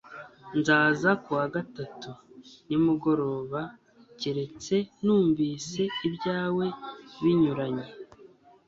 Nzaza ku wa gatatu nimugoroba keretse numvise ibyawe binyuranye